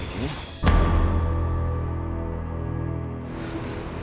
jangan lupa apa apa ini